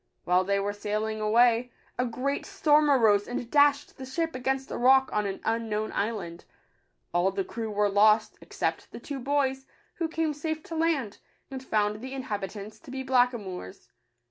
While they were sailing away, a great storm arose, and dashed the ship against a rock on an unknown island. All the crew were lost, except the two boys, who came safe to land, and found the inhabitants to be blackamoors.